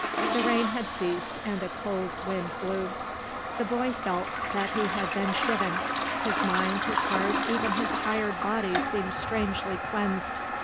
The rain had ceased and a cold wind blew. The boy felt that he had been shriven. His mind, his heart, even his tired body seemed strangely cleansed.